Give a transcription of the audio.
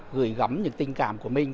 gửi gắm những tình cảm của mình